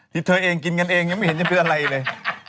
ที่เธอเองกินกันเองยังไม่เห็นจะเป็นอะไรเลย